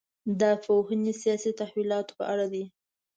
دا پوهنې سیاسي تحولاتو په اړه دي.